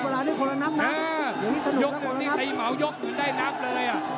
สนุกนะฮ้ายกหนึ่งได้นับเลย